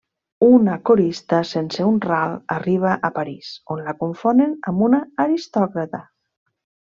Una corista sense un ral arriba a París on la confonen amb una aristòcrata.